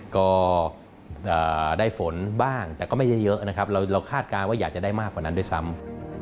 ก็ได้ฝนบ้างแต่ก็ไม่ได้เยอะนะครับเราคาดการณ์ว่าอยากจะได้มากกว่านั้นด้วยซ้ำ